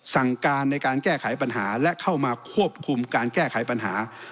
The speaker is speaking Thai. สั่งการในการแก้ไขปัญหาและเข้ามาควบคุมการแก้ไขปัญหา